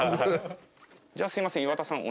じゃあすいません岩田さん